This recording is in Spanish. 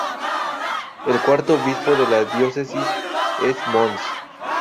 El cuarto obispo de la diócesis es Mons.